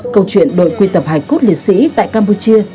câu chuyện đội quy tập hải cốt liệt sĩ tại campuchia